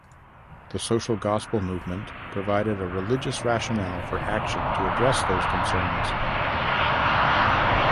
The social gospel movement provided a religious rationale for action to address those concerns.